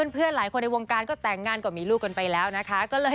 เพื่อนหลายคนในวงการก็แต่งงานก็มีลูกกันไปแล้วนะคะ